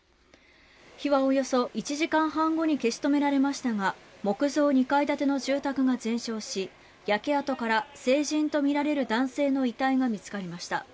火はおよそ１時間半後に消し止められましたが木造２階建ての住宅が全焼し焼け跡から成人とみられる男性の遺体が見つかりました。